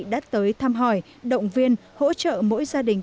đã tới thăm hỏi động viên hỗ trợ mỗi gia đình